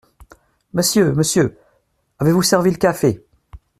Monsieur ! monsieur !… avez-vous servi le café ?